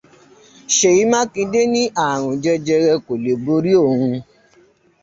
Ṣèyí Mákindé ní ààrùn jẹjẹrẹ kò leè borí òun.